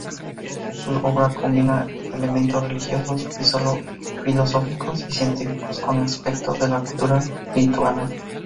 Su obra combinaba elementos religiosos, filosóficos y científicos con aspectos de la cultura lituana.